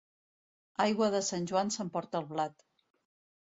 Aigua de Sant Joan s'emporta el blat.